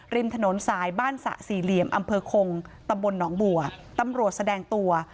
ริมถนนสายบ้านสระสี่เหลี่ยมอคงตนนบวตำรวจแสดงตัว